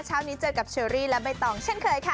เช้านี้เจอกับเชอรี่และใบตองเช่นเคยค่ะ